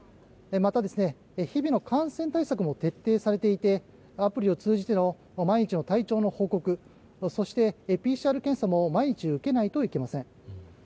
また、日々の感染対策も徹底されていてアプリを通じての毎日の体調の報告そしてＰＣＲ検査も毎日受けないといけません。